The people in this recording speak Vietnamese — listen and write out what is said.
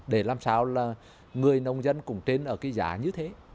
để làm sao là người nông dân cũng trên ở cái giá như thế